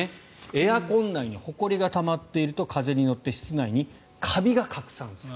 エアコン内にほこりがたまっていると風に乗って室内にカビが拡散する。